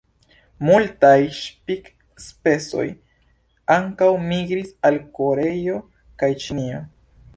Multaj ŝpic-specoj ankaŭ migris al Koreio kaj Ĉinio.